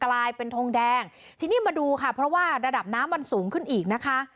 กลายเป็นทงแดงทีนี้มาดูค่ะเพราะว่าระดับน้ำมันสูงขึ้นอีกนะคะ